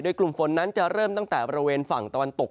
กลุ่มฝนนั้นจะเริ่มตั้งแต่บริเวณฝั่งตะวันตก